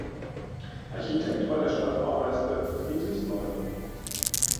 Architekt war der Stadtbaumeister "Friedrich Neumann".